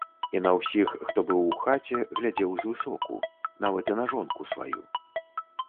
І на ўсіх, хто быў у хаце, глядзеў звысоку, нават і на жонку сваю.